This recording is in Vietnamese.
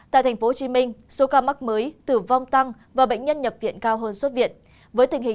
tại tp hcm số ca mắc mới tử vong tăng và bệnh nhân nhập viện cao hơn xuất viện với tình hình